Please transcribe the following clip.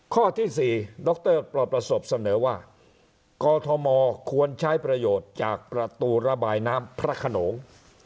ข้อที่๔ดรปลอดประสบเสนอว่ากอทมควรใช้ประโยชน์จากประตูระบายน้ำพระขนง